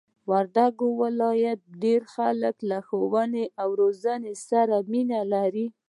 وردګ ولایت ډېرئ خلک له ښوونې او روزنې سره مینه لري!